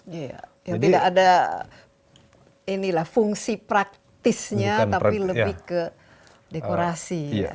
iya yang tidak ada fungsi praktisnya tapi lebih ke dekorasi